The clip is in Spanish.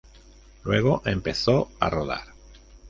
Luego empezó a rodar.